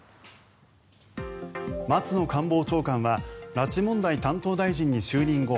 松野官房長官は拉致問題担当大臣に就任後